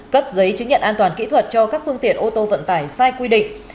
cấp giấy chứng nhận an toàn kỹ thuật cho các phương tiện ô tô vận tải sai quy định